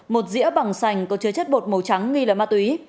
một dĩa bằng sành có chứa chất bột màu trắng nghi là ma túy